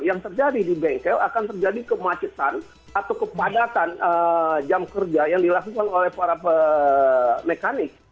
yang terjadi di bengkel akan terjadi kemacetan atau kepadatan jam kerja yang dilakukan oleh para mekanik